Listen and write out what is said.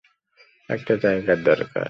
একটা জায়গার দরকার।